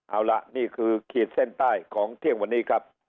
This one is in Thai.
เอาล่ะนี่คือขีดเส้นใต้ของเที่ยงวันนี้ครับ